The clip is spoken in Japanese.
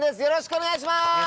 よろしくお願いします！